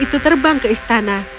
itu terbang ke istana